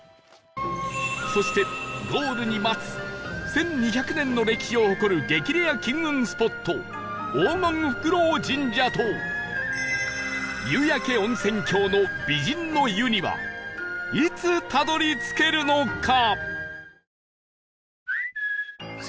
そしてゴールに待つ１２００年の歴史を誇る激レア金運スポット黄金フクロウ神社と夕焼け温泉郷の美人の湯にはいつたどり着けるのか？